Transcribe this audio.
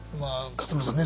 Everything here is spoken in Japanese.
勝村さんね